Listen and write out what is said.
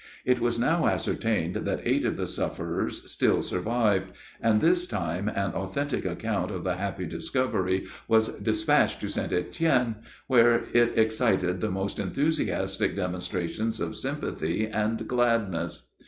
It was now ascertained that eight of the sufferers still survived; and this time an authentic account of the happy discovery was dispatched to St. Etienne, where it excited the most enthusiastic demonstrations of sympathy and gladness.